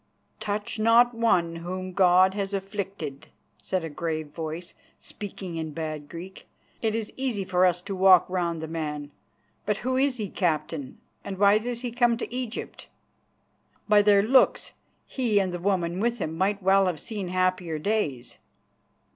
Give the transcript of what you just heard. "Touch not one whom God has afflicted," said a grave voice, speaking in bad Greek. "It is easy for us to walk round the man. But who is he, captain, and why does he come to Egypt? By their looks he and the woman with him might well have seen happier days."